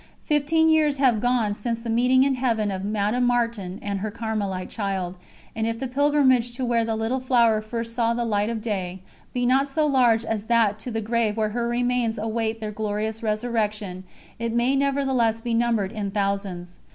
Fifteen years have gone since the meeting in Heaven of Madame Martin and her Carmelite child, and if the pilgrimage to where the Little Flower first saw the light of day, be not so large as that to the grave where her remains await their glorious resurrection, it may nevertheless be numbered in thousands.